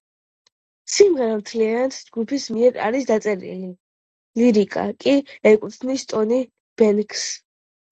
სიმღერა მთლიანად ჯგუფის მიერ არის დაწერილი, ლირიკა კი ეკუთვნის ტონი ბენქსს.